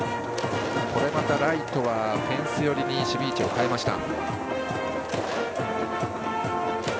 これまたライトはフェンス寄りに守備位置を変えました。